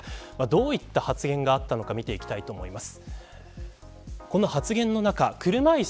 どういった発言があったのか見ていきたいと思います。